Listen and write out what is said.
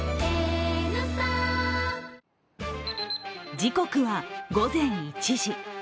時刻は午前１時。